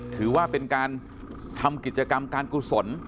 ถือว่าเป็นการทำกิจกรรมการกุศล